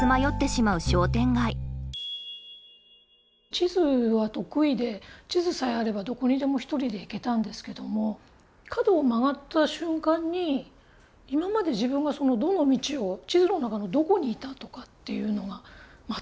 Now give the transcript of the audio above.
地図は得意で地図さえあればどこにでも一人で行けたんですけども角を曲がった瞬間に今まで自分がどの道を地図の中のどこにいたとかっていうのが全く分からなくなってしまったり。